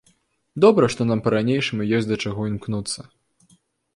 Добра, што нам па-ранейшаму ёсць да чаго імкнуцца.